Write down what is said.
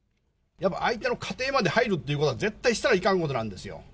相手の家庭まで入るっていうことは、絶対したらいかんことなんですよ。